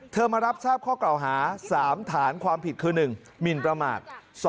มารับทราบข้อเก่าหา๓ฐานความผิดคือ๑หมินประมาท